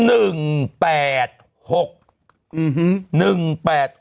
อื้อฮือ